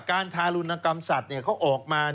การทารุณกรรมสัตว์เนี่ยเขาออกมา